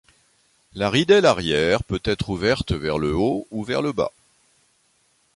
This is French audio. La ridelle arrière peut être ouverte vers le haut ou vers le bas.